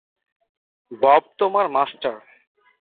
Bob তোমার master.